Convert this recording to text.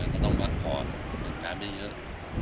มันก็ต้องปัดผ่อนเป็นการได้เยอะ